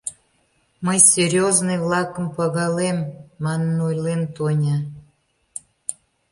Мый серьёзный-влакым пагалем, — манын ойлен Тоня.